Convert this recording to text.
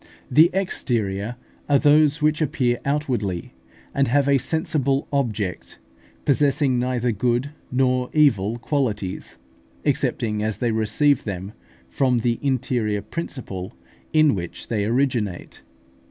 The exterior are those which appear outwardly, and have a sensible object, possessing neither good nor evil qualities, excepting as they receive them from the interior principle in which they originate.